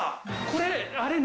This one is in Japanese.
これ。